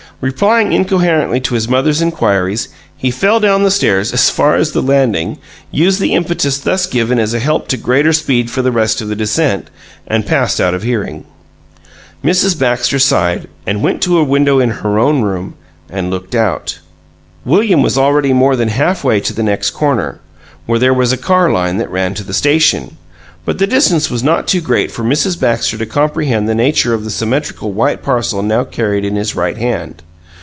Replying incoherently to his mother's inquiries, he fell down the stairs as far as the landing, used the impetus thus given as a help to greater speed for the rest of the descent and passed out of hearing. Mrs. Baxter sighed, and went to a window in her own room, and looked out. William was already more than half way to the next corner, where there was a car line that ran to the station; but the distance was not too great for Mrs. Baxter to comprehend the nature of the symmetrical white parcel now carried in his right hand.